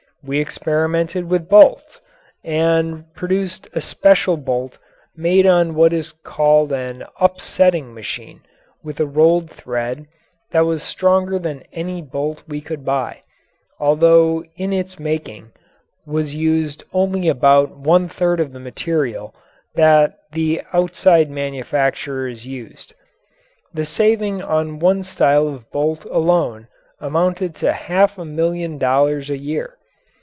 We experimented with bolts and produced a special bolt made on what is called an "upsetting machine" with a rolled thread that was stronger than any bolt we could buy, although in its making was used only about one third of the material that the outside manufacturers used. The saving on one style of bolt alone amounted to half a million dollars a year.